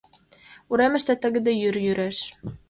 Уремыште тыгыде йӱр йӱреш.